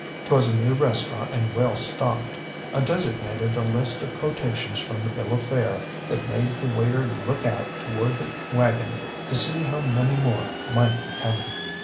ŌĆ£ŌĆÖTwas a new restaurant and well stocked. I designated a list of quotations from the bill of fare that made the waiter look out toward the wagon to see how many more might be coming.